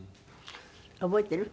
覚えてる？